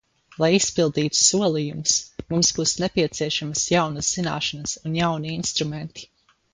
Lai izpildītu solījumus, mums būs nepieciešamas jaunas zināšanas un jauni instrumenti.